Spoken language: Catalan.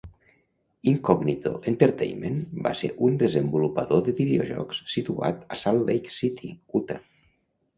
Incognito Entertainment va ser un desenvolupador de videojocs situat a Salt Lake City, Utah.